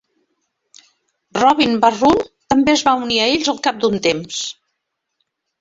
Rovin va Roon també es va unir a ells al cap d'un temps.